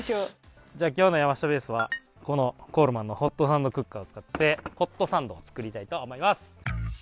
じゃあ今日の山下ベースはこのコールマンのホットサンドクッカーを使ってホットサンドを作りたいと思います。